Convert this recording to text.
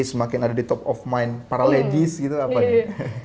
semakin ada di top of mind para ladies gitu apa nih